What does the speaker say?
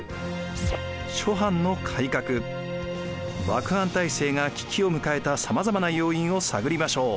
幕藩体制が危機を迎えたさまざまな要因を探りましょう。